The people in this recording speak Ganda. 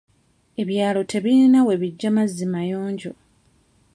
Ebyalo tebirina we bijja mazzi mayonjo.